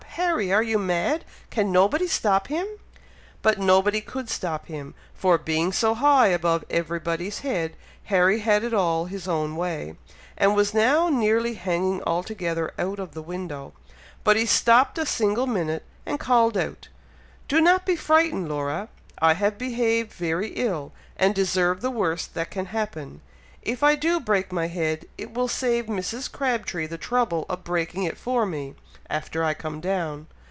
Harry, are you mad? can nobody stop him?" But nobody could stop him, for, being so high above everybody's head, Harry had it all his own way, and was now nearly hanging altogether out of the window, but he stopped a single minute, and called out, "Do not be frightened, Laura! I have behaved very ill, and deserve the worst that can happen. If I do break my head, it will save Mrs. Crabtree the trouble of breaking it for me, after I come down."